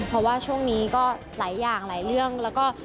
เพราะว่าช่วงนี้ก็หลายอย่างหลายเรื่องแล้วก็